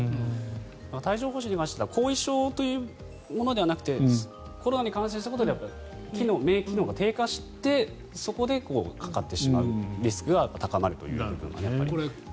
帯状疱疹に関しては後遺症というものではなくてコロナに感染したことで免疫機能が低下してそこでかかってしまうリスクが高まるというのがありますね。